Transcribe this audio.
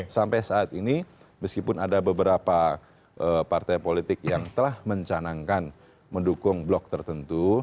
sampai saat ini meskipun ada beberapa partai politik yang telah mencanangkan mendukung blok tertentu